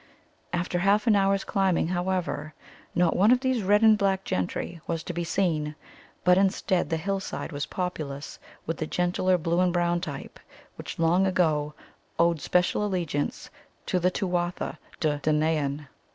After half an hour's climbing, however, not one of these red and black gentry was to be seen, but instead the hill side was populous with the gentler blue and brown type which long ago owed special allegiance to the Tuatha de Danaan.